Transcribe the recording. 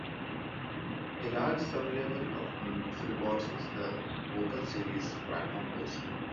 A large sub-label of Nimbus Records is the vocal series "Prima Voce".